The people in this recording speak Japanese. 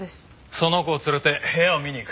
その子を連れて部屋を見に行く。